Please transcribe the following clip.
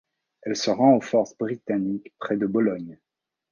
Elle se rend aux forces britanniques près de Bologne.